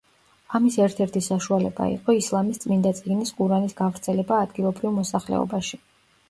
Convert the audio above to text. ამის ერთ-ერთი საშუალება იყო ისლამის წმინდა წიგნის ყურანის გავრცელება ადგილობრივ მოსახლეობაში.